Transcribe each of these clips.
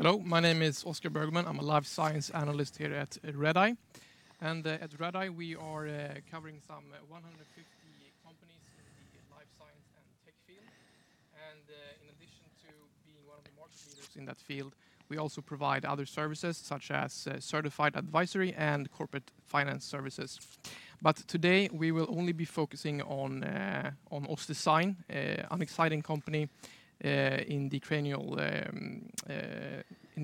Hello, my name is Oscar Bergman. I'm a life science analyst here at Redeye. At Redeye, we are covering some 150 companies in the life science and tech field. In addition to being one of the market leaders in that field, we also provide other services such as Certified Advisory and Corporate Finance Services. Today, we will only be focusing on OssDsign, an exciting company in the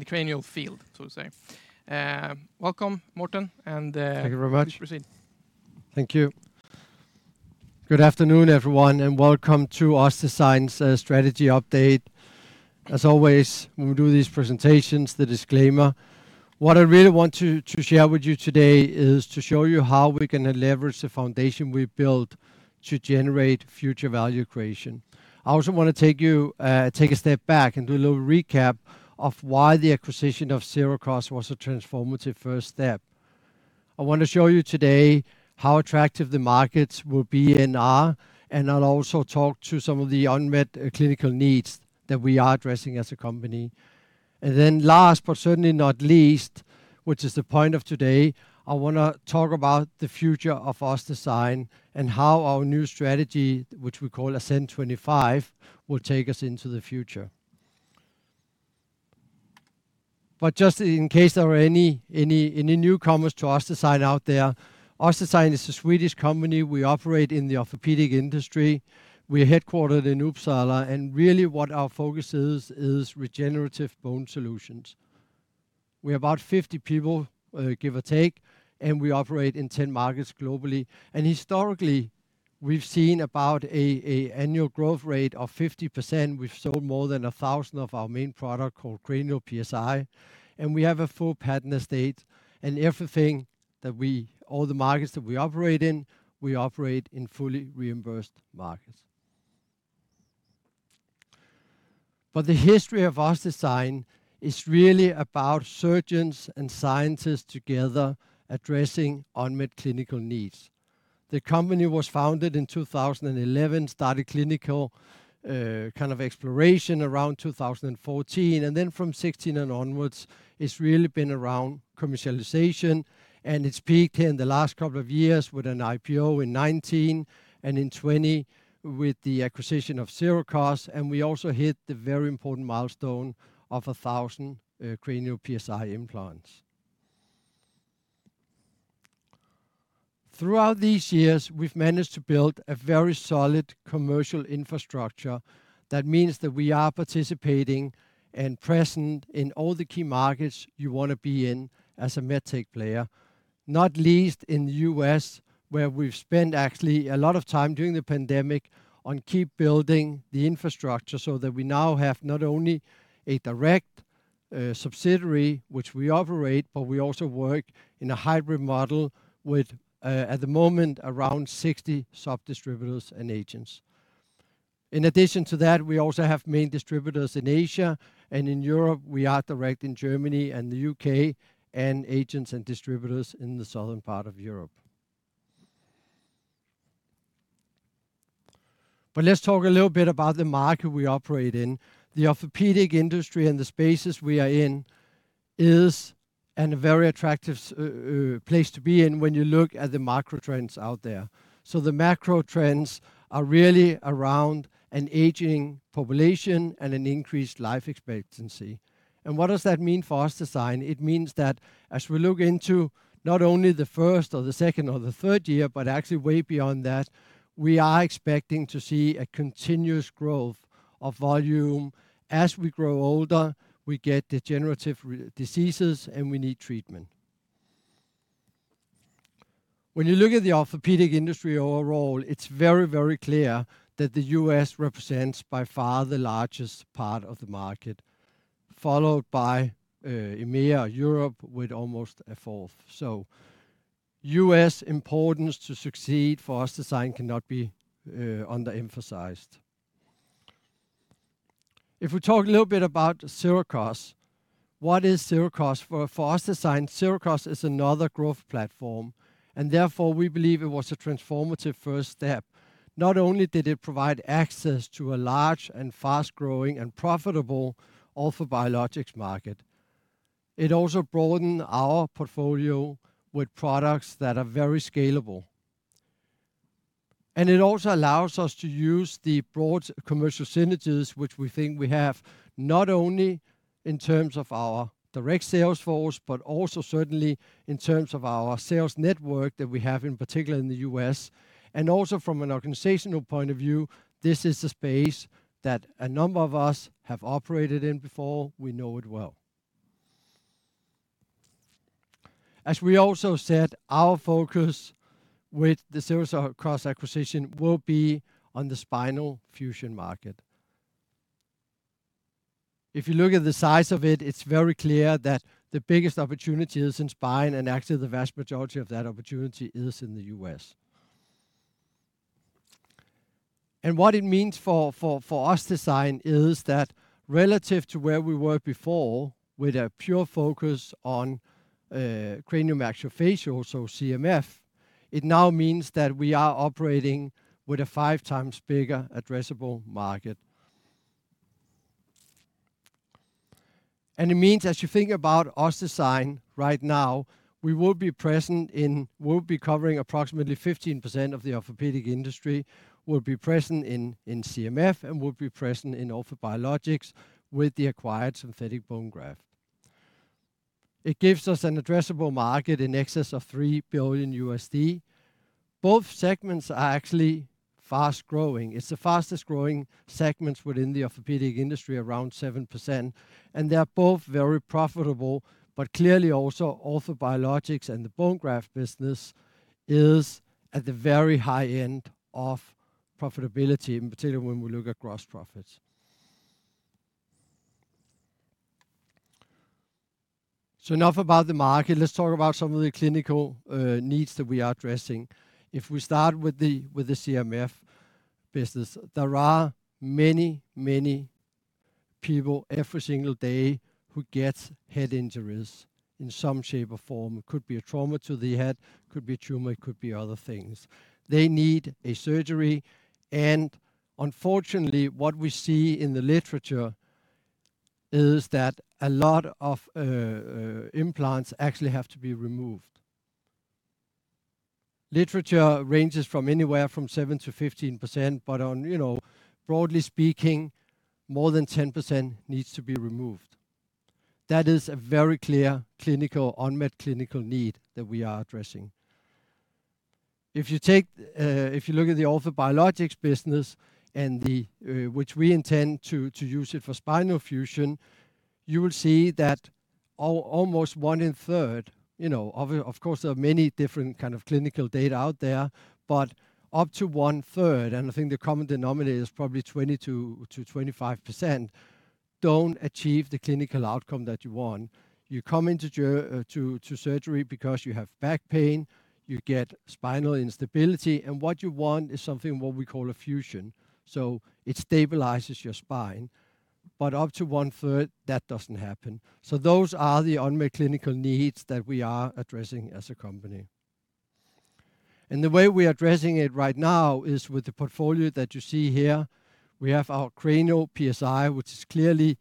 cranial field, so to say. Welcome, Morten. Thank you very much. Please proceed. Thank you. Good afternoon, everyone. Welcome to OssDsign's Strategy Update. As always, when we do these presentations, the disclaimer. What I really want to share with you today is to show you how we can leverage the foundation we've built to generate future value creation. I also want to take a step back and do a little recap of why the acquisition of Sirakoss was a transformative first step. I want to show you today how attractive the markets will be and are. I'll also talk to some of the unmet clinical needs that we are addressing as a company. Last but certainly not least, which is the point of today, I want to talk about the future of OssDsign and how our new strategy, which we call ASCENT25, will take us into the future. Just in case there are any newcomers to OssDsign out there, OssDsign is a Swedish company. We operate in the orthopedic industry. We are headquartered in Uppsala, and really what our focus is regenerative bone solutions. We're about 50 people, give or take, and we operate in 10 markets globally. Historically, we've seen about an annual growth rate of 50%. We've sold more than 1,000 of our main product called Cranial PSI, and we have a full patent estate. All the markets that we operate in, we operate in fully reimbursed markets. The history of OssDsign is really about surgeons and scientists together addressing unmet clinical needs. The company was founded in 2011, started clinical exploration around 2014, and then from 2016 and onwards, it's really been around commercialization, and it's peaked in the last couple of years with an IPO in 2019, and in 2020 with the acquisition of Sirakoss, and we also hit the very important milestone of 1,000 Cranial PSI implants. Throughout these years, we've managed to build a very solid commercial infrastructure that means that we are participating and present in all the key markets you want to be in as a medtech player, not least in the U.S., where we've spent actually a lot of time during the pandemic on keep building the infrastructure so that we now have not only a direct subsidiary which we operate, but we also work in a hybrid model with, at the moment, around 60 sub-distributors and agents. In addition to that, we also have main distributors in Asia, in Europe, we are direct in Germany and the U.K., and agents and distributors in the southern part of Europe. Let's talk a little bit about the market we operate in. The orthopedic industry and the spaces we are in is a very attractive place to be in when you look at the macro trends out there. The macro trends are really around an aging population and an increased life expectancy. What does that mean for OssDsign? It means that as we look into not only the first or the second or the third year, but actually way beyond that, we are expecting to see a continuous growth of volume. As we grow older, we get degenerative diseases, and we need treatment. When you look at the orthopedic industry overall, it's very clear that the U.S. represents by far the largest part of the market, followed by EMEA, Europe, with almost a fourth. U.S. importance to succeed for OssDsign cannot be under-emphasized. If we talk a little bit about Sirakoss, what is Sirakoss? For OssDsign, Sirakoss is another growth platform, and therefore, we believe it was a transformative first step. Not only did it provide access to a large and fast-growing and profitable orthobiologics market, it also broadened our portfolio with products that are very scalable. And it also allows us to use the broad commercial synergies which we think we have, not only in terms of our direct sales force, but also certainly in terms of our sales network that we have, in particular in the U.S. Also from an organizational point of view, this is the space that a number of us have operated in before. We know it well. As we also said, our focus with the Sirakoss acquisition will be on the spinal fusion market. If you look at the size of it's very clear that the biggest opportunity is in spine, and actually the vast majority of that opportunity is in the U.S. What it means for OssDsign is that relative to where we were before, with a pure focus on cranio-maxillofacial, so CMF, it now means that we are operating with a 5 times bigger addressable market. It means, as you think about OssDsign right now, we'll be covering approximately 15% of the orthopedic industry, we'll be present in CMF, and we'll be present in orthobiologics with the acquired synthetic bone graft. It gives us an addressable market in excess of $3 billion. Both segments are actually fast-growing. It's the fastest-growing segments within the orthopedic industry, around 7%. They are both very profitable, but clearly also orthobiologics and the bone graft business is at the very high end of profitability, in particular when we look at gross profits. Enough about the market. Let's talk about some of the clinical needs that we are addressing. If we start with the CMF business. There are many people every single day who get head injuries in some shape or form. It could be a trauma to the head, it could be a tumor, it could be other things. They need a surgery, and unfortunately, what we see in the literature is that a lot of implants actually have to be removed. Literature ranges from anywhere from 7%-15%, but broadly speaking, more than 10% needs to be removed. That is a very clear unmet clinical need that we are addressing. If you look at the orthobiologics business, which we intend to use it for spinal fusion, you will see that almost one-third. Of course, there are many different kind of clinical data out there, but up to one-third, and I think the common denominator is probably 20%-25%, don't achieve the clinical outcome that you want. You come into surgery because you have back pain, you get spinal instability, and what you want is something, what we call a fusion, so it stabilizes your spine. Up to one-third, that doesn't happen. Those are the unmet clinical needs that we are addressing as a company. The way we are addressing it right now is with the portfolio that you see here. We have our Cranial PSI, which is clearly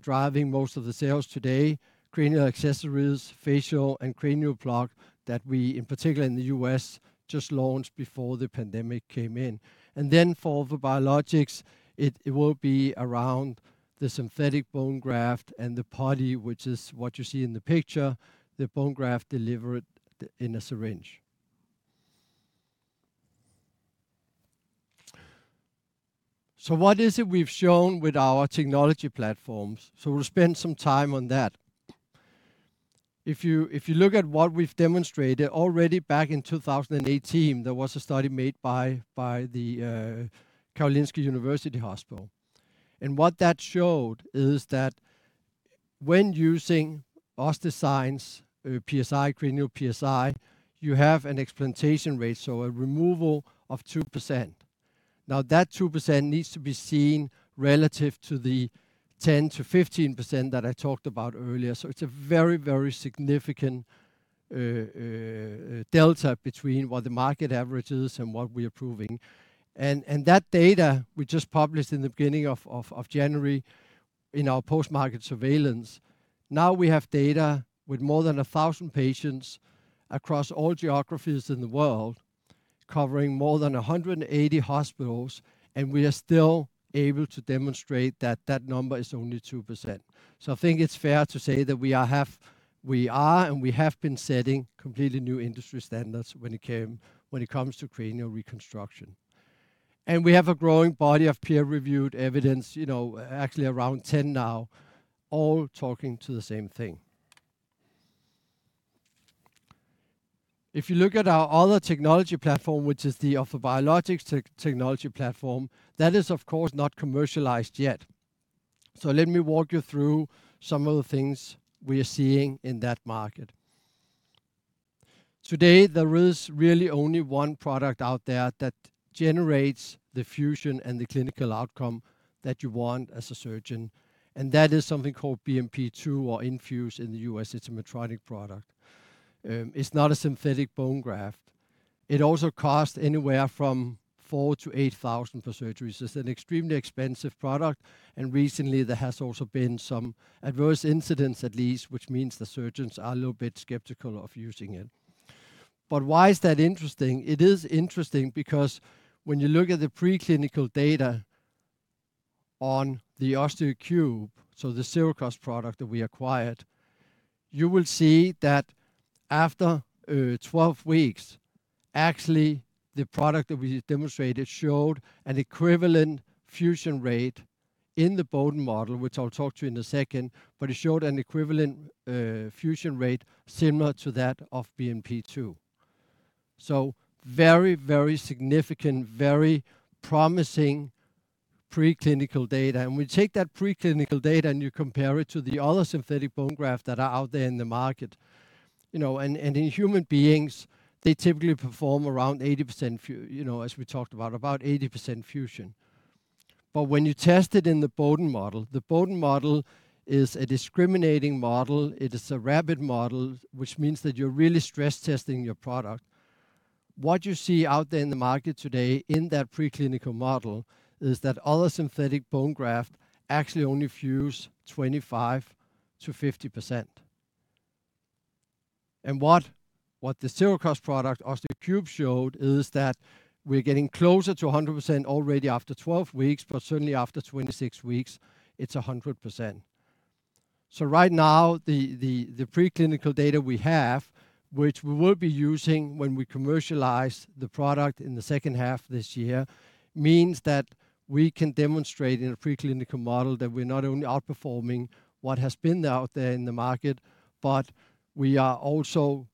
driving most of the sales today, cranial accessories, Facial and CranioPlug that we, in particular in the U.S., just launched before the pandemic came in. For orthobiologics, it will be around the synthetic bone graft and the putty, which is what you see in the picture, the bone graft delivered in a syringe. What is it we've shown with our technology platforms? We'll spend some time on that. If you look at what we've demonstrated, already back in 2018, there was a study made by the Karolinska University Hospital. What that showed is that when using OssDsign's Cranial PSI, you have an explantation rate, so a removal of 2%. That 2% needs to be seen relative to the 10%-15% that I talked about earlier. It's a very significant delta between what the market average is and what we're proving. That data we just published in the beginning of January in our post-market surveillance. We have data with more than 1,000 patients across all geographies in the world, covering more than 180 hospitals, and we are still able to demonstrate that that number is only 2%. I think it's fair to say that we are, and we have been setting completely new industry standards when it comes to cranial reconstruction. We have a growing body of peer-reviewed evidence, actually around 10 now, all talking to the same thing. If you look at our other technology platform, which is the orthobiologics technology platform, that is, of course, not commercialized yet. Let me walk you through some of the things we are seeing in that market. Today, there is really only one product out there that generates the fusion and the clinical outcome that you want as a surgeon, and that is something called BMP-2 or INFUSE in the U.S. It's a Medtronic product. It's not a synthetic bone graft. It also costs anywhere from 4,000-8,000 per surgery. It's an extremely expensive product. Recently there has also been some adverse incidents at least, which means the surgeons are a little bit skeptical of using it. Why is that interesting? It is interesting because when you look at the preclinical data on the Osteo3, so the Sirakoss product that we acquired, you will see that after 12 weeks, actually, the product that we demonstrated showed an equivalent fusion rate in the Boden model, which I'll talk to you in a second, but it showed an equivalent fusion rate similar to that of BMP-2. Very significant, very promising preclinical data. We take that preclinical data and you compare it to the other synthetic bone graft that are out there in the market. In human beings, they typically perform around 80%, as we talked about 80% fusion. When you test it in the Boden model, the Boden model is a discriminating model, it is a rapid model, which means that you're really stress-testing your product. What you see out there in the market today in that preclinical model is that other synthetic bone graft actually only fuse 25%-50%. What the Sirakoss product, Osteo3 showed is that we're getting closer to 100% already after 12 weeks, but certainly after 26 weeks, it's 100%. Right now, the preclinical data we have, which we will be using when we commercialize the product in the second half of this year, means that we can demonstrate in a preclinical model that we're not only outperforming what has been out there in the market, but we are also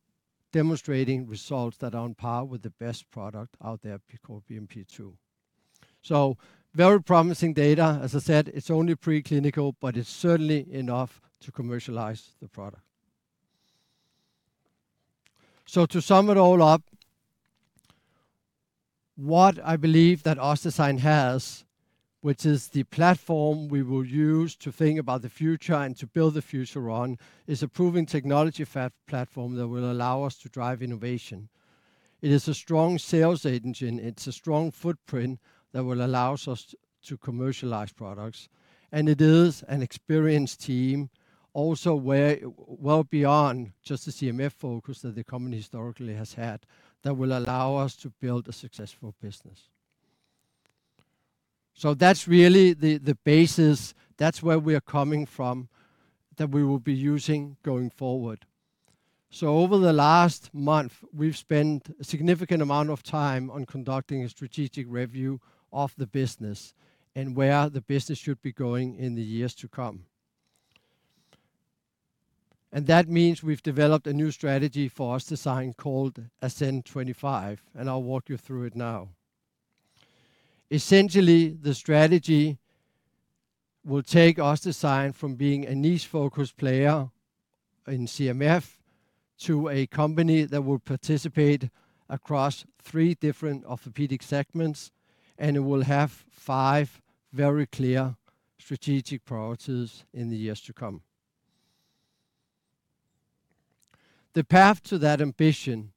demonstrating results that are on par with the best product out there called BMP-2. Very promising data. As I said, it's only preclinical, but it's certainly enough to commercialize the product. To sum it all up, what I believe that OssDsign has, which is the platform we will use to think about the future and to build the future on, is a proven technology platform that will allow us to drive innovation. It is a strong sales engine, it's a strong footprint that will allow us to commercialize products, and it is an experienced team also well beyond just the CMF focus that the company historically has had, that will allow us to build a successful business. That's really the basis. That's where we're coming from, that we will be using going forward. Over the last month, we've spent a significant amount of time on conducting a strategic review of the business and where the business should be going in the years to come. That means we've developed a new strategy for OssDsign called ASCENT25, and I'll walk you through it now. Essentially, the strategy will take OssDsign from being a niche-focused player in CMF to a company that will participate across three different orthopedic segments, and it will have five very clear strategic priorities in the years to come. The path to that ambition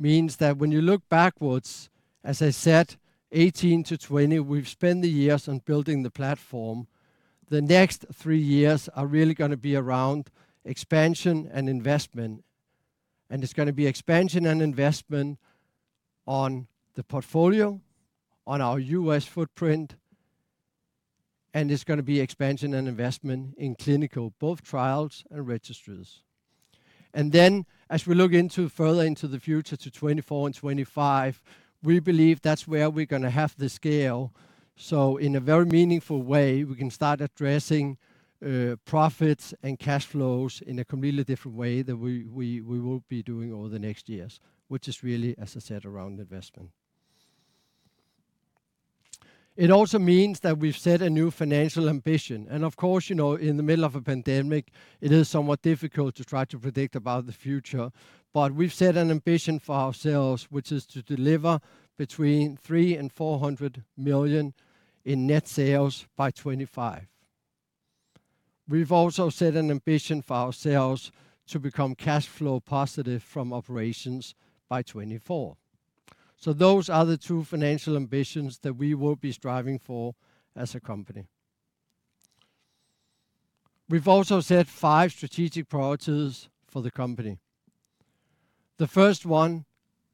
means that when you look backwards, as I said, 2018 to 2020, we've spent the years on building the platform. The next three years are really going to be around expansion and investment, and it's going to be expansion and investment on the portfolio, on our U.S. footprint, and it's going to be expansion and investment in clinical, both trials and registries. Then, as we look further into the future to 2024 and 2025, we believe that's where we're going to have the scale. In a very meaningful way, we can start addressing profits and cash flows in a completely different way than we will be doing over the next years, which is really, as I said, around investment. It also means that we've set a new financial ambition. Of course, in the middle of a pandemic, it is somewhat difficult to try to predict about the future. We've set an ambition for ourselves, which is to deliver between 300 million-400 million in net sales by 2025. We've also set an ambition for ourselves to become cash flow positive from operations by 2024. Those are the two financial ambitions that we will be striving for as a company. We've also set five strategic priorities for the company. The first one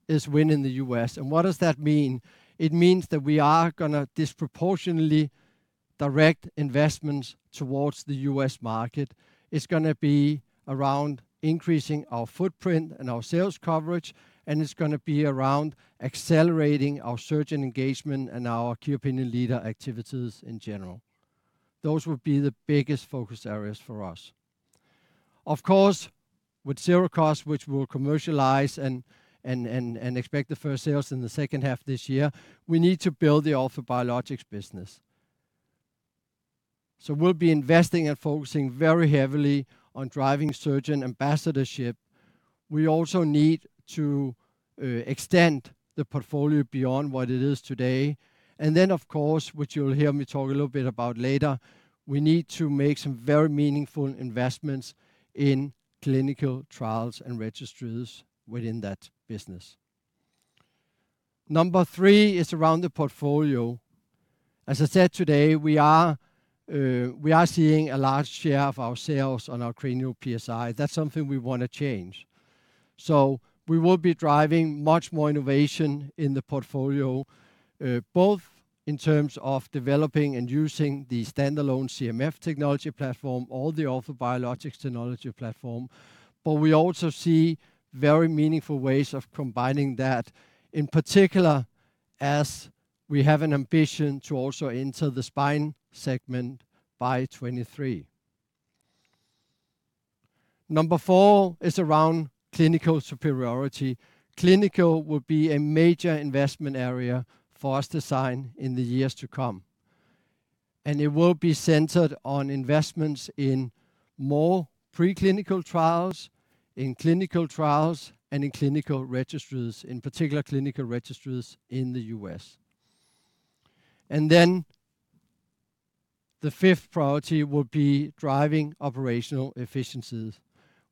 is win in the U.S. What does that mean? It means that we are going to disproportionately direct investments towards the U.S. market. It's going to be around increasing our footprint and our sales coverage. It's going to be around accelerating our surgeon engagement and our key opinion leader activities in general. Those will be the biggest focus areas for us. Of course, with Sirakoss, which we'll commercialize and expect the first sales in the second half of this year, we need to build the orthobiologics business. We'll be investing and focusing very heavily on driving surgeon ambassadorship. We also need to extend the portfolio beyond what it is today. Of course, which you'll hear me talk a little bit about later, we need to make some very meaningful investments in clinical trials and registries within that business. Number three is around the portfolio. I said today, we are seeing a large share of our sales on our Cranial PSI. That's something we want to change. We will be driving much more innovation in the portfolio, both in terms of developing and using the standalone CMF technology platform or the orthobiologics technology platform. We also see very meaningful ways of combining that, in particular as we have an ambition to also enter the spine segment by 2023. Number four is around clinical superiority. Clinical will be a major investment area for OssDsign in the years to come, and it will be centered on investments in more preclinical trials, in clinical trials, and in clinical registries. In particular, clinical registries in the U.S. The fifth priority will be driving operational efficiencies.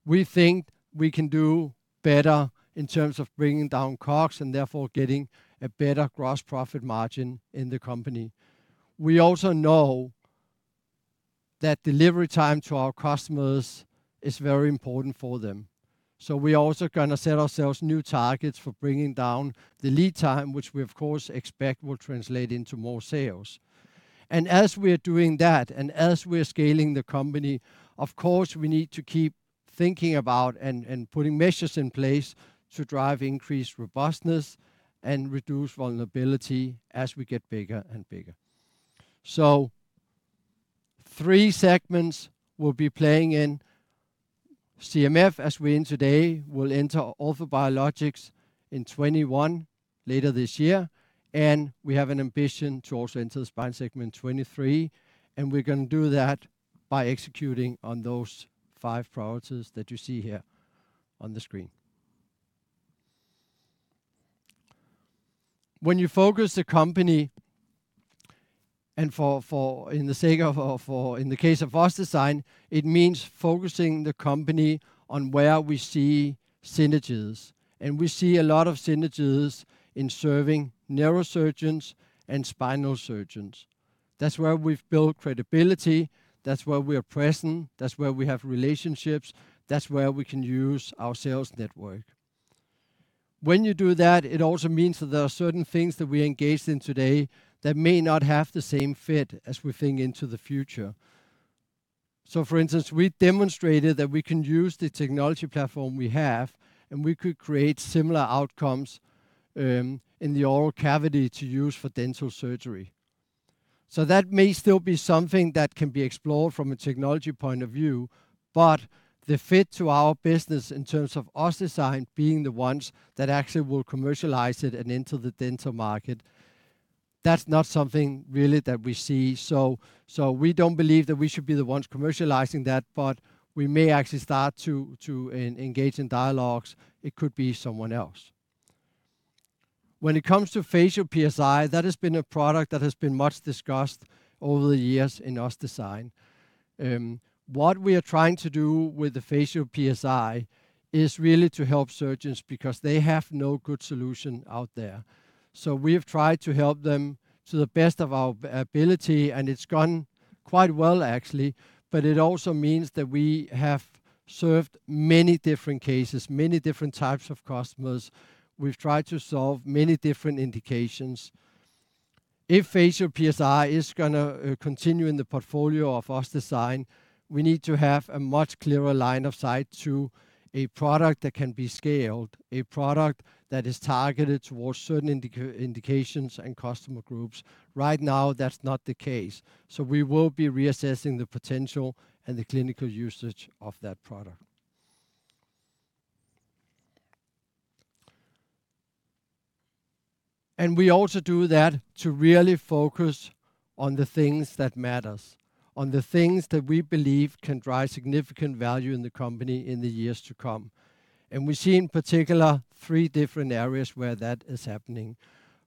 We think we can do better in terms of bringing down costs and therefore getting a better gross profit margin in the company. We also know that delivery time to our customers is very important for them. We are also going to set ourselves new targets for bringing down the lead time, which we of course expect will translate into more sales. As we are doing that and as we are scaling the company, of course, we need to keep thinking about and putting measures in place to drive increased robustness and reduce vulnerability as we get bigger and bigger. Three segments will be playing in CMF as we are in today. We'll enter orthobiologics in 2021, later this year, and we have an ambition to also enter the spine segment 2023, and we're going to do that by executing on those five priorities that you see here on the screen. When you focus a company, in the case of OssDsign, it means focusing the company on where we see synergies. We see a lot of synergies in serving neurosurgeons and spinal surgeons. That's where we've built credibility, that's where we are present, that's where we have relationships, that's where we can use our sales network. When you do that, it also means that there are certain things that we are engaged in today that may not have the same fit as we think into the future. For instance, we demonstrated that we can use the technology platform we have, and we could create similar outcomes in the oral cavity to use for dental surgery. That may still be something that can be explored from a technology point of view, but the fit to our business in terms of OssDsign being the ones that actually will commercialize it and enter the dental market, that's not something really that we see. We don't believe that we should be the ones commercializing that, but we may actually start to engage in dialogues. It could be someone else. When it comes to Facial PSI, that has been a product that has been much discussed over the years in OssDsign. What we are trying to do with the Facial PSI is really to help surgeons, because they have no good solution out there. We have tried to help them to the best of our ability, and it's gone quite well, actually. It also means that we have served many different cases, many different types of customers. We've tried to solve many different indications. If Facial PSI is going to continue in the portfolio of OssDsign, we need to have a much clearer line of sight to a product that can be scaled, a product that is targeted towards certain indications and customer groups. Right now, that's not the case, so we will be reassessing the potential and the clinical usage of that product. We also do that to really focus on the things that matters, on the things that we believe can drive significant value in the company in the years to come. We see in particular three different areas where that is happening.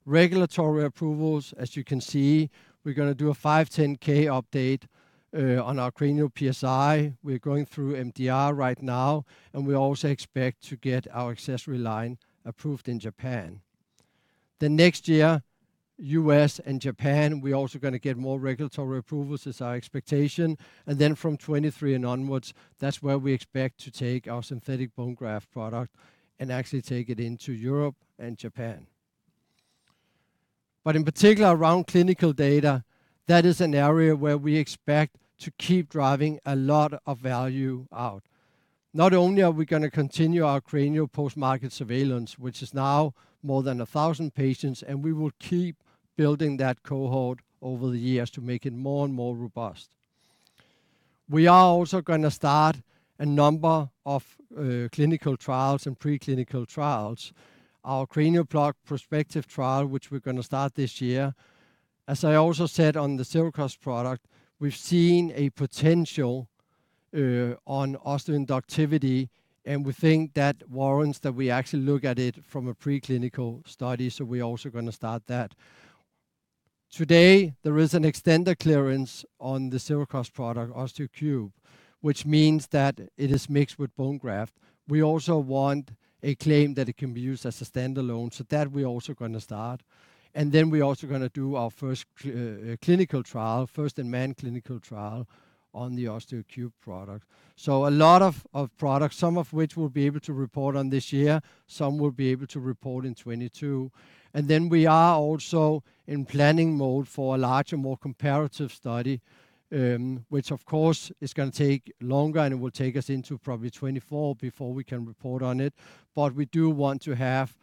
Regulatory approvals, as you can see, we're going to do a 510(k) update on our Cranial PSI. We're going through MDR right now. We also expect to get our cranial accessories approved in Japan. Next year, U.S., and Japan, we're also going to get more regulatory approvals, is our expectation. From 2023 and onwards, that's where we expect to take our synthetic bone graft product and actually take it into Europe and Japan. In particular, around clinical data, that is an area where we expect to keep driving a lot of value out. Not only are we going to continue our cranial post-market surveillance, which is now more than 1,000 patients, and we will keep building that cohort over the years to make it more and more robust. We are also going to start a number of clinical trials and preclinical trials. Our CranioPlug prospective trial, which we're going to start this year. As I also said on the Sirakoss product, we've seen a potential on osteoinductivity, and we think that warrants that we actually look at it from a preclinical study. We're also going to start that. Today, there is an extended clearance on the Sirakoss product, Osteo3, which means that it is mixed with bone graft. We also want a claim that it can be used as a standalone. That we're also going to start. We're also going to do our first clinical trial, first-in-human clinical trial, on the Osteo3 product. A lot of products, some of which we'll be able to report on this year, some we'll be able to report in 2022. Then we are also in planning mode for a larger, more comparative study, which of course is going to take longer, and it will take us into probably 2024 before we can report on it. We do want to have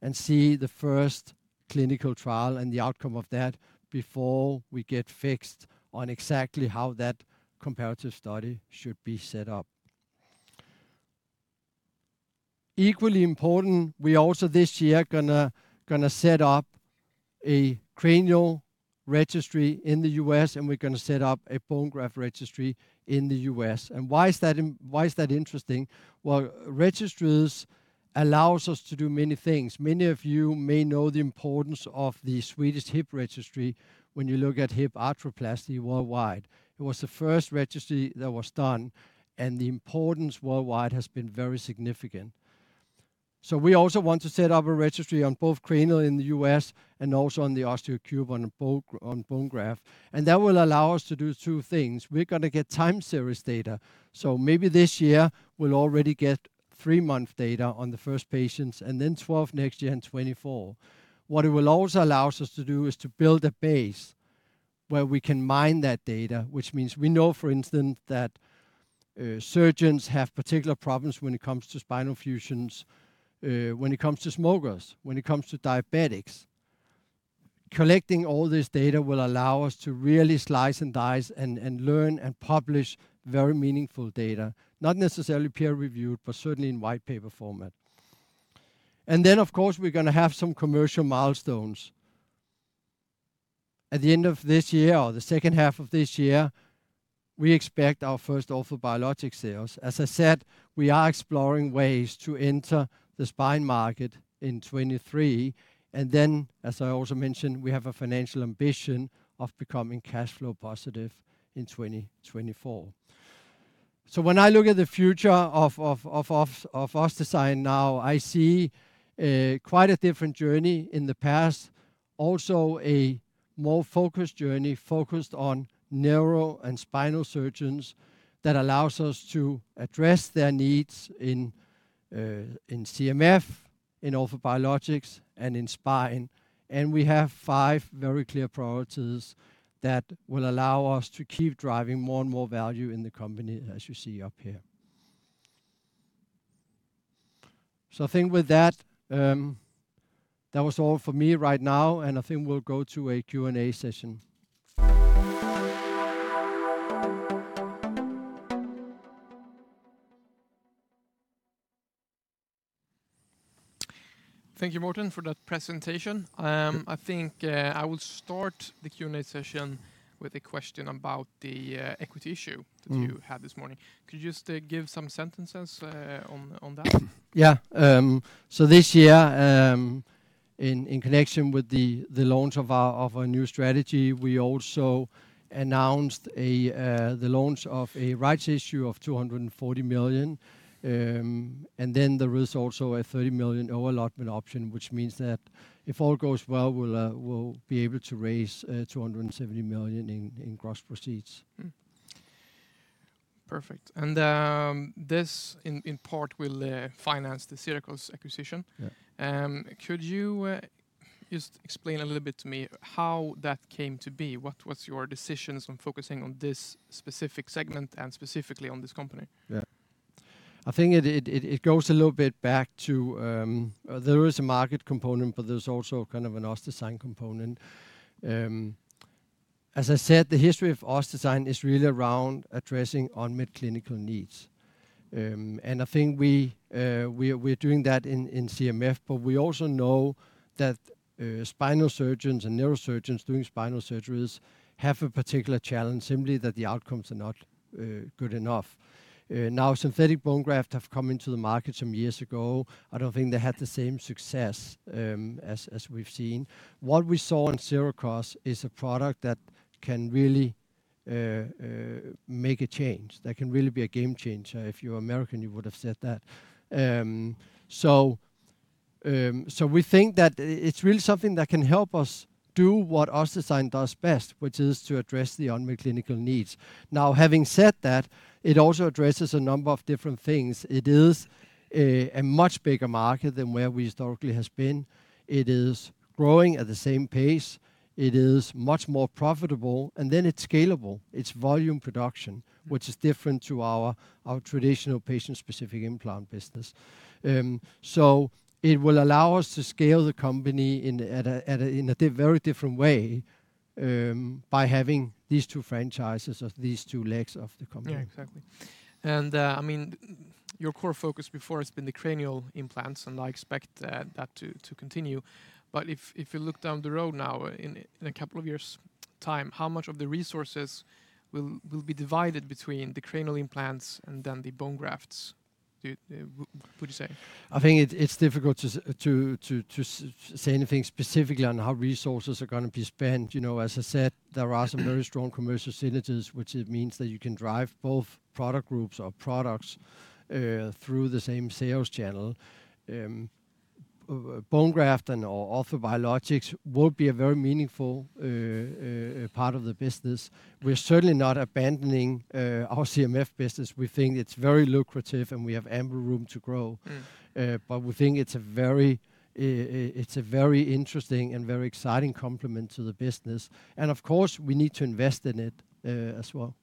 and see the first clinical trial and the outcome of that before we get fixed on exactly how that comparative study should be set up. Equally important, we also this year are going to set up a cranial registry in the U.S., and we're going to set up a bone graft registry in the U.S. Why is that interesting? Well, registries allow us to do many things. Many of you may know the importance of the Swedish Hip Registry when you look at hip arthroplasty worldwide. It was the first registry that was done, and the importance worldwide has been very significant. We also want to set up a registry on both cranial in the U.S. and also on the Osteo3 on bone graft. That will allow us to do two things. We're going to get time series data, so maybe this year we'll already get three-month data on the first patients, and then 12 next year and 24. What it will also allow us to do is to build a base where we can mine that data, which means we know, for instance, that surgeons have particular problems when it comes to spinal fusions, when it comes to smokers, when it comes to diabetics. Collecting all this data will allow us to really slice and dice and learn and publish very meaningful data. Not necessarily peer-reviewed, but certainly in white paper format. Of course, we're going to have some commercial milestones. At the end of this year or the second half of this year, we expect our first orthobiologic sales. As I said, we are exploring ways to enter the spine market in 2023. As I also mentioned, we have a financial ambition of becoming cash flow positive in 2024. When I look at the future of OssDsign now, I see quite a different journey in the past. Also, a more focused journey, focused on neuro and spinal surgeons that allows us to address their needs in CMF, in orthobiologics, and in spine. We have five very clear priorities that will allow us to keep driving more and more value in the company, as you see up here. I think with that was all for me right now, and I think we'll go to a Q&A session. Thank you, Morten, for that presentation. I think I will start the Q&A session with a question about the equity issue that you had this morning. Could you just give some sentences on that? This year, in connection with the launch of our new strategy, we also announced the launch of a rights issue of 240 million. There is also a 30 million over-allotment option, which means that if all goes well, we'll be able to raise 270 million in gross proceeds. Perfect. This, in part, will finance the Sirakoss acquisition. Yeah. Could you just explain a little bit to me how that came to be? What's your decisions on focusing on this specific segment and specifically on this company? Yeah. I think it goes a little bit back to there is a market component, there's also kind of an OssDsign component. As I said, the history of OssDsign is really around addressing unmet clinical needs. I think we're doing that in CMF, we also know that spinal surgeons and neurosurgeons doing spinal surgeries have a particular challenge, simply that the outcomes are not good enough. Now, synthetic bone grafts have come into the market some years ago. I don't think they had the same success as we've seen. What we saw in Sirakoss is a product that can really make a change. That can really be a game-changer. If you're American, you would have said that. We think that it's really something that can help us do what OssDsign does best, which is to address the unmet clinical needs. Having said that, it also addresses a number of different things. It is a much bigger market than where we historically have been. It is growing at the same pace. It is much more profitable, it's scalable. It's volume production, which is different to our traditional patient-specific implant business. It will allow us to scale the company in a very different way by having these two franchises or these two legs of the company. Yeah, exactly. Your core focus before has been the cranial implants, and I expect that to continue. If you look down the road now, in a couple of years' time, how much of the resources will be divided between the cranial implants and then the bone grafts, would you say? I think it's difficult to say anything specifically on how resources are going to be spent. As I said, there are some very strong commercial synergies, which means that you can drive both product groups or products through the same sales channel. Bone graft and orthobiologics will be a very meaningful part of the business. We're certainly not abandoning our CMF business. We think it's very lucrative, and we have ample room to grow. We think it's a very interesting and very exciting complement to the business. Of course, we need to invest in it as well.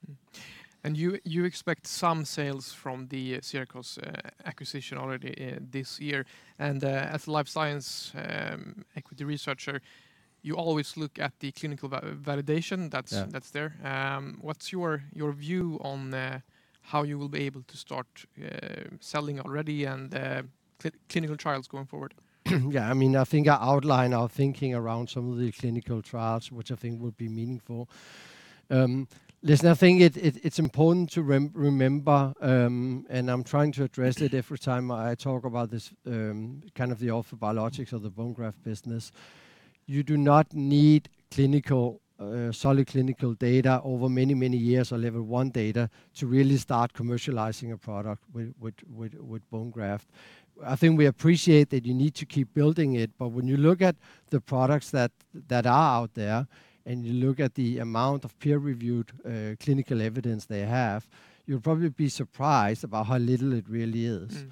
You expect some sales from the Sirakoss acquisition already this year. As a life science equity researcher, you always look at the clinical validation- Yeah. ...there. What's your view on how you will be able to start selling already and the clinical trials going forward? Yeah, I think I outlined our thinking around some of the clinical trials, which I think will be meaningful. Listen, I think it's important to remember, I'm trying to address it every time I talk about this, the orthobiologics of the bone graft business. You do not need solid clinical data over many, many years or level one data to really start commercializing a product with bone graft. I think we appreciate that you need to keep building it, when you look at the products that are out there, and you look at the amount of peer-reviewed clinical evidence they have, you'll probably be surprised about how little it really is.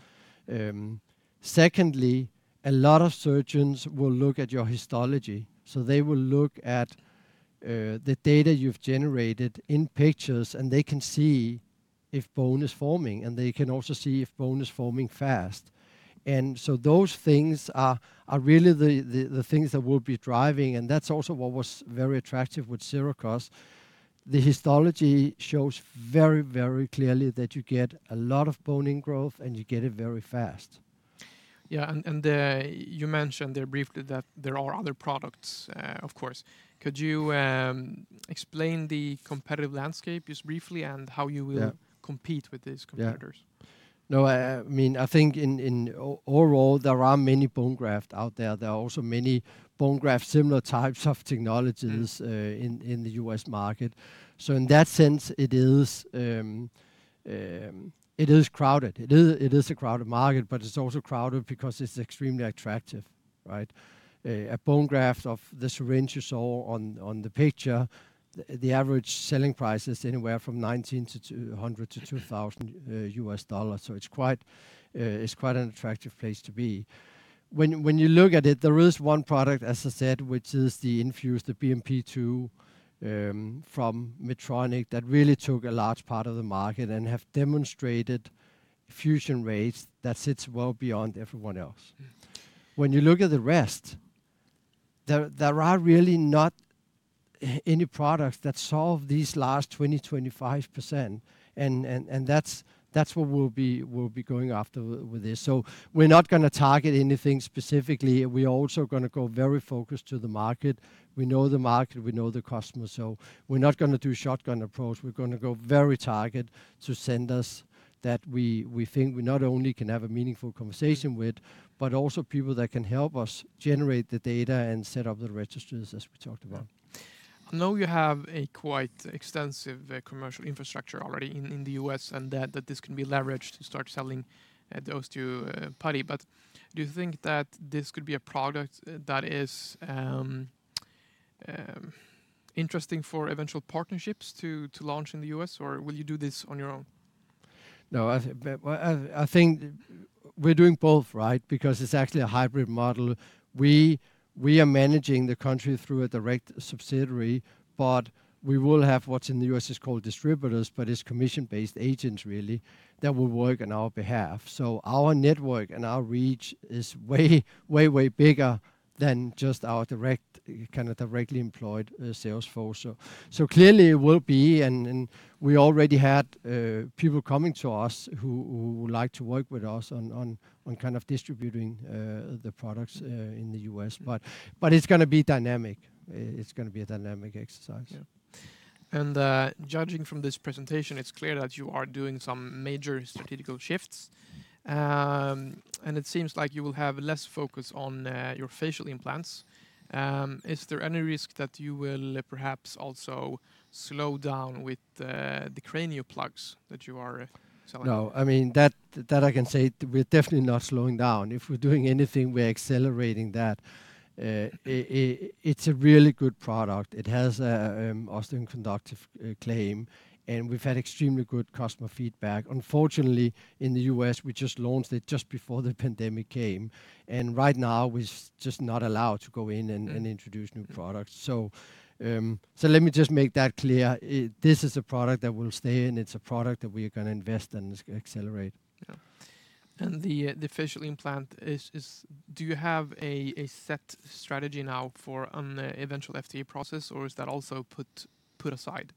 A lot of surgeons will look at your histology. They will look at the data you've generated in pictures, and they can see if bone is forming, and they can also see if bone is forming fast. Those things are really the things that we'll be driving, and that's also what was very attractive with Sirakoss. The histology shows very, very clearly that you get a lot of bone ingrowth, and you get it very fast. Yeah, you mentioned there briefly that there are other products, of course. Could you explain the competitive landscape just briefly and how you will- Yeah. ...compete with these competitors? Yeah. No, I think in overall, there are many bone graft out there. There are also many bone graft similar types of technologies- ...in the U.S. market. In that sense, it is crowded. It is a crowded market, but it's also crowded because it's extremely attractive, right? A bone graft of the syringe you saw on the picture, the average selling price is anywhere from $1900-$2,000, so it's quite an attractive place to be. When you look at it, there is one product, as I said, which is the INFUSE, the BMP-2 from Medtronic that really took a large part of the market and have demonstrated fusion rates that sits well beyond everyone else. When you look at the rest, there are really not any products that solve these last 20%, 25%. That's what we'll be going after with this. We're not going to target anything specifically. We are also going to go very focused to the market. We know the market. We know the customer. We're not going to do shotgun approach. We're going to go very targeted to centers that we think we not only can have a meaningful conversation with, but also people that can help us generate the data and set up the registries as we talked about. I know you have a quite extensive commercial infrastructure already in the U.S., and that this can be leveraged to start selling the Osteo Putty. Do you think that this could be a product that is interesting for eventual partnerships to launch in the U.S., or will you do this on your own? No. I think we're doing both, right? It's actually a hybrid model. We are managing the country through a direct subsidiary, but we will have what's in the U.S. is called distributors, but it's commission-based agents really, that will work on our behalf. Our network and our reach is way, way bigger than just our directly employed sales force. Clearly it will be, and we already had people coming to us who would like to work with us on distributing the products in the U.S. It's going to be dynamic. It's going to be a dynamic exercise. Yeah. Judging from this presentation, it is clear that you are doing some major strategic shifts. It seems like you will have less focus on your facial implants. Is there any risk that you will perhaps also slow down with the CranioPlugs that you are selling? No. That I can say we're definitely not slowing down. If we're doing anything, we are accelerating that. It's a really good product. It has a osteoconductive claim, and we've had extremely good customer feedback. Unfortunately, in the U.S., we just launched it just before the pandemic came, and right now we're just not allowed to go in and introduce new products. Let me just make that clear. This is a product that will stay in. It's a product that we are going to invest in and accelerate. Yeah. The facial implants, do you have a set strategy now for an eventual FDA process, or is that also put aside?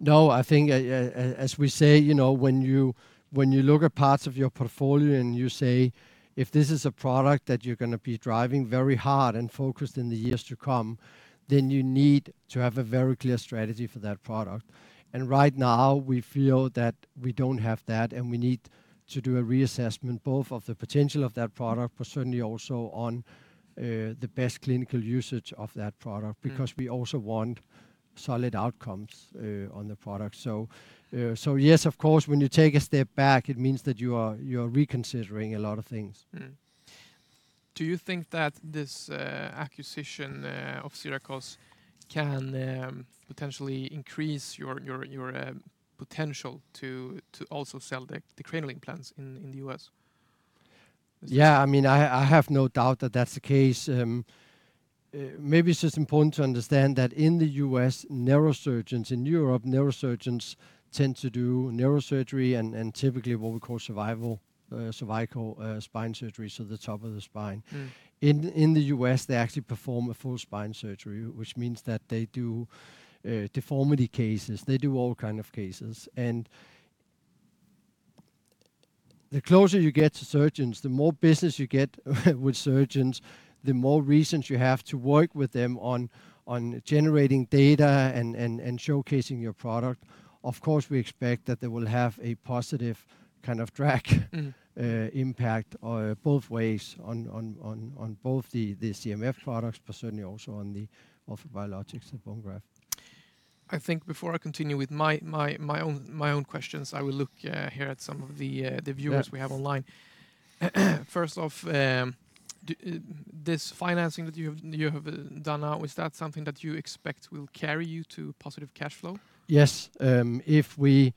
No, I think as we say, when you look at parts of your portfolio and you say, if this is a product that you're going to be driving very hard and focused in the years to come, you need to have a very clear strategy for that product. Right now we feel that we don't have that, and we need to do a reassessment both of the potential of that product, but certainly also the best clinical usage of that product because we also want solid outcomes on the product. Yes, of course, when you take a step back, it means that you are reconsidering a lot of things. Do you think that this acquisition of Sirakoss can potentially increase your potential to also sell the cranial implants in the U.S.? Yeah. I have no doubt that that's the case. Maybe it's just important to understand that in Europe, neurosurgeons tend to do neurosurgery and typically what we call cervical spine surgery, so the top of the spine. In the U.S., they actually perform a full spine surgery, which means that they do deformity cases, they do all kind of cases. The closer you get to surgeons, the more business you get with surgeons, the more reasons you have to work with them on generating data and showcasing your product. Of course, we expect that they will have a positive kind of drag impact both ways on both the CMF products, but certainly also on the orthobiologics and bone graft. I think before I continue with my own questions, I will look here at some of the viewers we have online. Yeah. First off, this financing that you have done now, is that something that you expect will carry you to positive cash flow? Yes, if we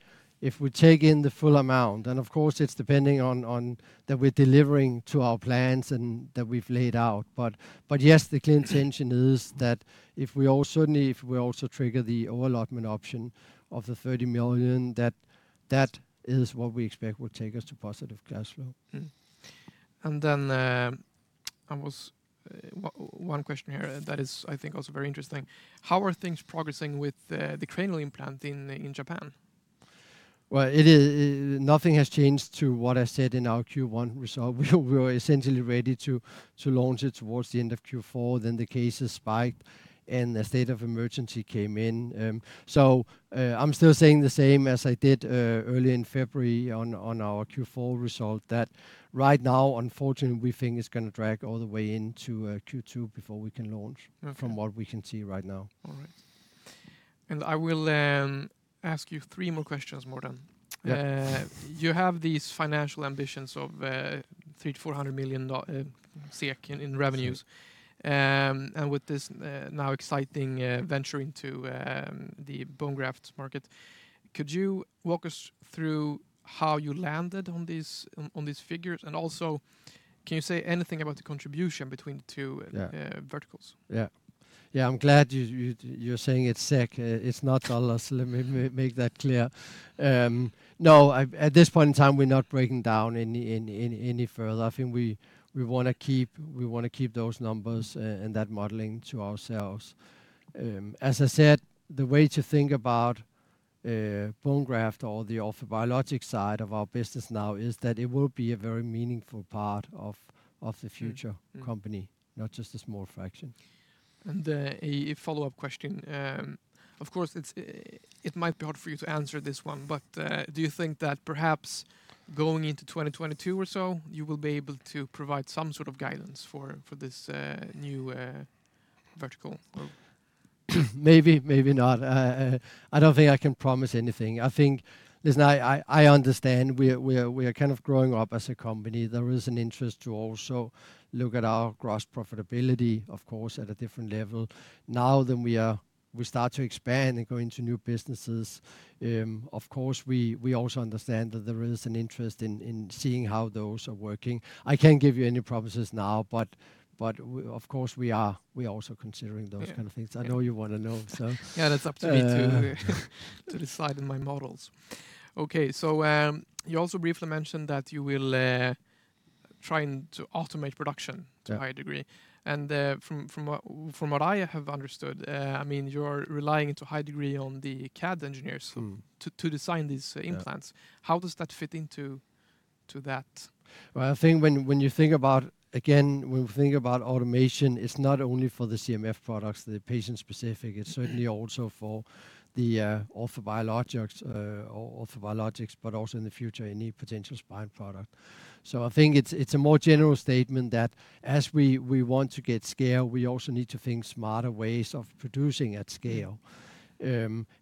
take in the full amount, and of course it's depending on that we're delivering to our plans that we've laid out. But yes, the clear intention is that if we also trigger the overallotment option of the 30 million, that is what we expect will take us to positive cash flow. One question here that is I think also very interesting. How are things progressing with the cranial implant in Japan? Well, nothing has changed to what I said in our Q1 result. We were essentially ready to launch it towards the end of Q4, then the cases spiked, and the state of emergency came in. I'm still saying the same as I did early in February on our Q4 result that right now, unfortunately, we think it's going to drag all the way into Q2 before we can launch- Okay. ...from what we can see right now. All right. I will ask you three more questions, Morten. Yeah. You have these financial ambitions of 300 million-400 million SEK in revenues. With this now exciting venture into the bone grafts market, could you walk us through how you landed on these figures? Also, can you say anything about the contribution between the two verticals? Yeah. I'm glad you're saying it's SEK. It's not dollars. Let me make that clear. At this point in time, we're not breaking down any further. I think we want to keep those numbers and that modeling to ourselves. As I said, the way to think about bone graft or the orthobiologic side of our business now is that it will be a very meaningful part of the future company, not just a small fraction. A follow-up question. Of course, it might be hard for you to answer this one, but do you think that perhaps going into 2022 or so, you will be able to provide some sort of guidance for this new vertical? Maybe, maybe not. I don't think I can promise anything. Listen, I understand we are kind of growing up as a company. There is an interest to also look at our gross profitability, of course, at a different level now than we are. We start to expand and go into new businesses. Of course, we also understand that there is an interest in seeing how those are working. I can't give you any promises now, but of course, we are also considering those kind of things. I know you want to know. Yeah, that's up to me to decide in my models. Okay, you also briefly mentioned that you will try to automate production to a high degree. Yeah. From what I have understood, you're relying to a high degree on the CAD engineers to design these implants. Yeah. How does that fit into that? Well, again, when we think about automation, it’s not only for the CMF products, the patient-specific, it’s certainly also for the orthobiologics, but also in the future, any potential spine product. I think it’s a more general statement that as we want to get scale, we also need to think smarter ways of producing at scale.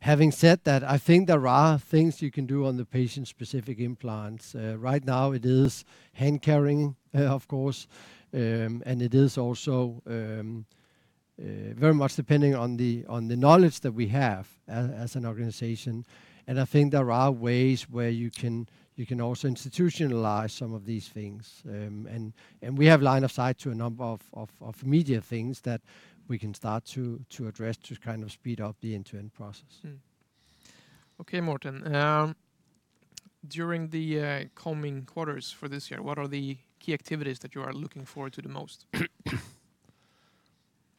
Having said that, I think there are things you can do on the patient-specific implants. Right now it is hand-carrying, of course, and it is also very much depending on the knowledge that we have as an organization. I think there are ways where you can also institutionalize some of these things. We have line of sight to a number of immediate things that we can start to address to kind of speed up the end-to-end process. Okay, Morten. During the coming quarters for this year, what are the key activities that you are looking forward to the most?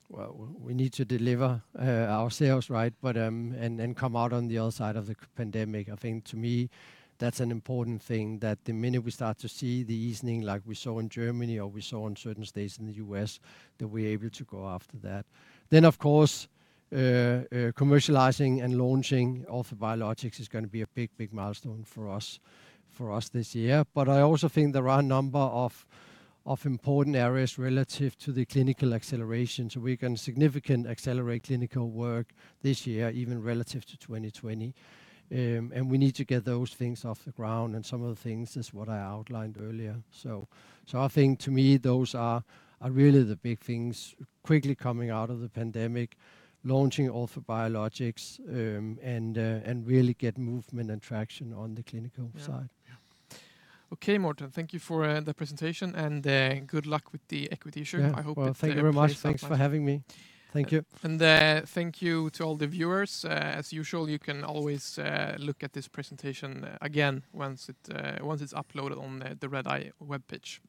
Well, we need to deliver our sales right, and then come out on the other side of the pandemic. I think to me, that's an important thing, that the minute we start to see the easing like we saw in Germany or we saw in certain states in the U.S., that we're able to go after that. Of course commercializing and launching orthobiologics is going to be a big, big milestone for us this year. I also think there are a number of important areas relative to the clinical acceleration, so we can significantly accelerate clinical work this year, even relative to 2020. We need to get those things off the ground, and some of the things is what I outlined earlier. I think to me, those are really the big things, quickly coming out of the pandemic, launching orthobiologics, and really get movement and traction on the clinical side. Yeah. Okay, Morten. Thank you for the presentation, and good luck with the equity issue. I hope it plays out nicely. Well, thank you very much. Thanks for having me. Thank you. Thank you to all the viewers. As usual, you can always look at this presentation again once it is uploaded on the Redeye webpage.